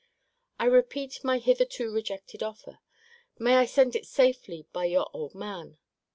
I repeat my hitherto rejected offer. May I send it safely by your old man?